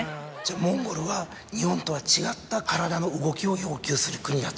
モンゴルは日本とは違った体の動きを要求する国だと。